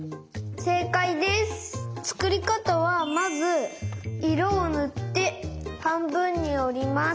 つくりかたはまずいろをぬってはんぶんにおります。